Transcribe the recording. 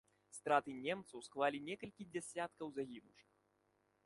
Страты немцаў склалі некалькі дзясяткаў загінуўшых.